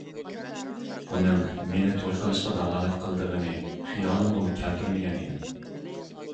ئۇنىڭ مېنى توي قىلىشقا دالالەت قىلىدىغىنى خىيالىمغىمۇ كەلتۈرمىگەن ئىدىم.